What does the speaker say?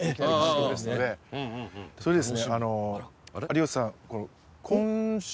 これですね